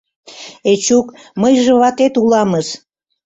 Эчук, мыйже ватет уламыс!